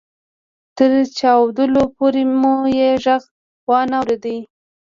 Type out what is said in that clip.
تر چاودلو پورې مو يې ږغ وانه اورېد.